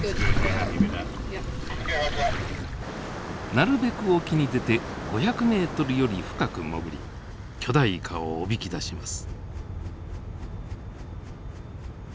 なるべく沖に出て５００ｍより深く潜り巨大イカをおびき出します。